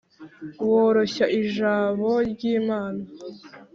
woroshya ijabo ryi mana